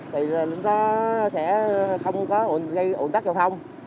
thì nó sẽ không có gây ổn tắc giao thông